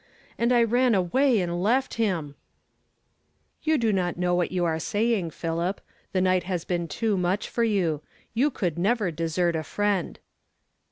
and I ran away and left him !"" You do not know what you are saying, I>hilip. 1 he night has been too much for you. You could never desert a friend."